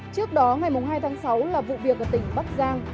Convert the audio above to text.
trước đó ngày hai tháng sáu là vụ việc ở tỉnh bắc giang